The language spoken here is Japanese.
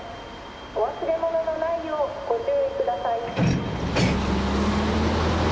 「お忘れ物のないようご注意ください」